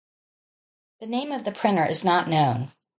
The name of the printer is not known.